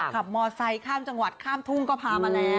ขับมอเตอร์ไซค์ข้ามจังหวัดข้ามทุ่งก็พามาแล้ว